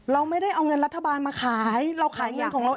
เราไม่ได้เอาเงินรัฐบาลมาขายเราขายเงินของเรา